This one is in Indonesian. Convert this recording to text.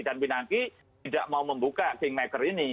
dan pinangki tidak mau membuka kingmaker ini